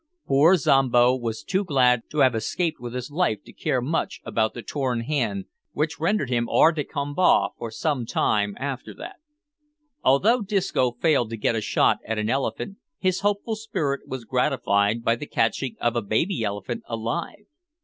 Poor Zombo was too glad to have escaped with his life to care much about the torn hand, which rendered him hors de combat for some time after that. Although Disco failed to get a shot at an elephant, his hopeful spirit was gratified by the catching of a baby elephant alive.